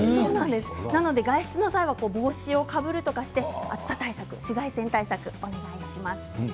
外出の際は帽子をかぶるなどして暑さ対策、紫外線対策をお願いします。